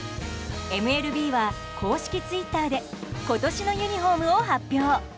ＭＬＢは公式ツイッターで今年のユニホームを発表。